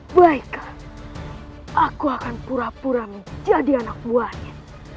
baiklah aku akan pura pura menjadi anak buahnya